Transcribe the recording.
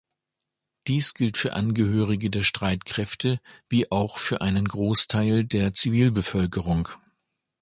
Dies gilt für Angehörige der Streitkräfte wie auch für einen Großteil der Zivilbevölkerung.